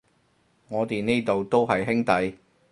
我哋呢度都係兄弟